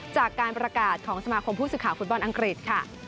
จากการประกาศของสมาคมผู้สื่อข่าวฟุตบอลอังกฤษค่ะ